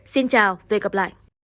xin chào về gặp lại